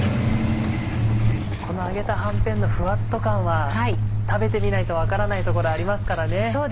この揚げたはんぺんのふわっと感は食べてみないと分からないところありますからね。